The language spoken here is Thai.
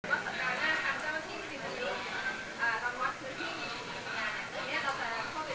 โดยสั่งอันหน้ามีจมัติติธอันยกจมัตต์หรืออย่างงี้